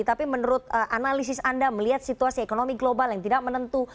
tapi menurut analisis anda melihat situasi ekonomi global yang tidak menentu